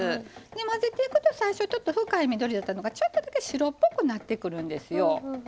混ぜていくと最初深い緑だったのがちょっとだけ白っぽくなってくるんですよ。